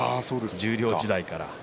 十両時代から。